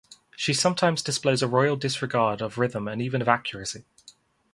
She sometimes displays a royal disregard of rhythm and even of accuracy.